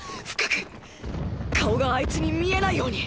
顔があいつに見えないように。